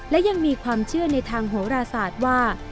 และยังมีความเชื่อในทางโหรศาสตร์ว่า